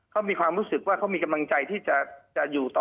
เขามีความรู้สึกว่าเขามีกำลังใจที่จะอยู่ต่อ